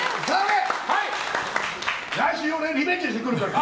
来週リベンジしに来るからな！